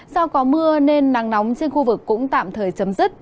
do có mưa nên nắng nóng trên khu vực cũng tạm thời chấm dứt